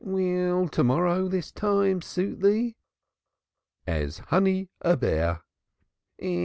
"Will to morrow this time suit thee?" "As honey a bear."